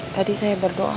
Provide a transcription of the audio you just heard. tadi saya berdoa